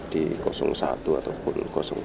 di satu ataupun dua